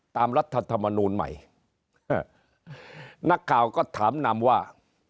รัฐธรรมนูลใหม่นักข่าวก็ถามนำว่า